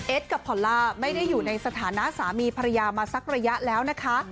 กับพอลล่าไม่ได้อยู่ในสถานะสามีภรรยามาสักระยะแล้วนะคะ